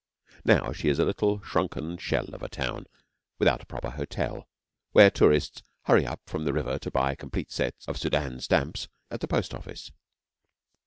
Now she is a little shrunken shell of a town without a proper hotel, where tourists hurry up from the river to buy complete sets of Soudan stamps at the Post Office.